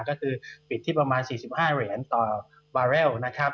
ก็คือปิดที่ประมาณ๔๕เหรียญต่อบาร์เรลนะครับ